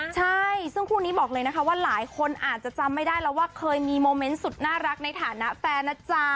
ใช่ซึ่งคู่นี้บอกเลยนะคะว่าหลายคนอาจจะจำไม่ได้แล้วว่าเคยมีโมเมนต์สุดน่ารักในฐานะแฟนนะจ๊ะ